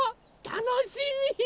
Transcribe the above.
たのしみ！